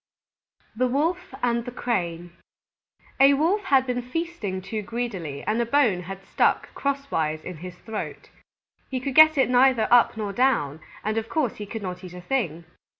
_ THE WOLF AND THE CRANE A Wolf had been feasting too greedily, and a bone had stuck crosswise in his throat. He could get it neither up nor down, and of course he could not eat a thing.